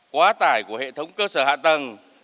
quá tải của hệ thống cơ sở hạ tầng